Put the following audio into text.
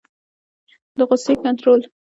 د غصې کنټرول